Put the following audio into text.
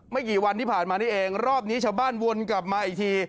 กี่วันที่ผ่านมานี่เองรอบนี้ชาวบ้านวนกลับมาอีกที